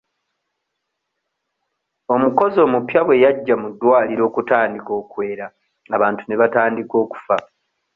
Omukozi omupya bwe yajja mu ddwaliro okutandika okwera abantu ne batandika okufa.